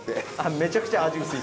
めちゃくちゃ味薄いです。